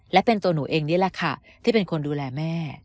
และเป็นตัวหนูเองนี่แหละค่ะที่เป็นคนดูแลแม่